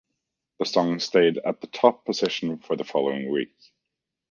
The song stayed at the top position the following week.